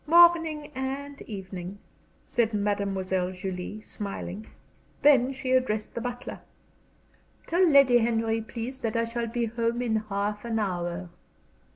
"Morning and evening," said Mademoiselle Julie, smiling. Then she addressed the butler: "Tell Lady Henry, please, that I shall be at home in half an hour."